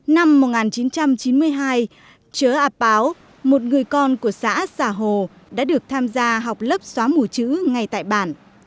năm một nghìn chín trăm chín mươi hai chớ ảp báo một người con của xã xà hồ đã được tham gia học lớp xóa mùa chữ ngay tại bản